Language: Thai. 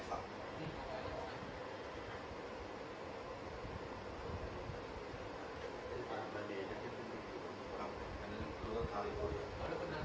หลังจากนี้ก็ได้เห็นว่าหลังจากนี้ก็ได้เห็นว่า